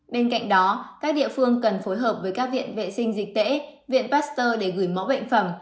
bên cạnh đó các địa phương cần phối hợp với các viện vệ sinh dịch tễ viện pasteur để gửi mẫu bệnh phẩm